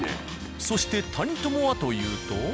そして「谷とも」はというと。